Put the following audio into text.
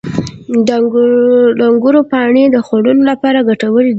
• د انګورو پاڼې د خوړو لپاره ګټور دي.